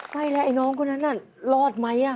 ใช่แล้วไอ้น้องคนนั้นน่ะรอดไหม